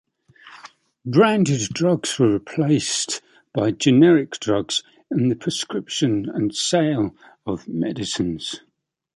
Branded drugs were replaced by generic drugs in the prescription and sale of medicines.